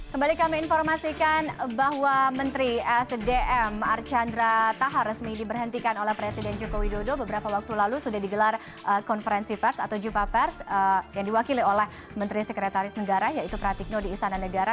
kembali kami informasikan bahwa menteri sdm archandra tahar resmi diberhentikan oleh presiden joko widodo beberapa waktu lalu sudah digelar konferensi pers atau jumpa pers yang diwakili oleh menteri sekretaris negara yaitu pratikno di istana negara